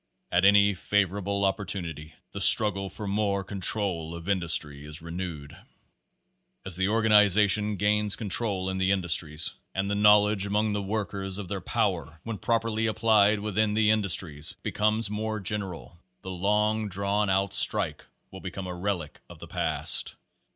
At any favorable opportunity the struggle for more control of industry is renewed. As the organization gains control in the industries, Page Seventeen K and the knowledge among the workers of their power, when properly applied within the industries, becomes more general, the long drawn out strike will become a relic of the past.